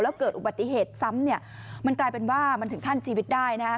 แล้วเกิดอุบัติเหตุซ้ำเนี่ยมันกลายเป็นว่ามันถึงขั้นชีวิตได้นะฮะ